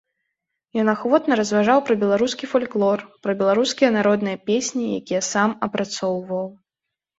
Ён ахвотна разважаў пра беларускі фальклор, пра беларускія народныя песні, якія сам апрацоўваў.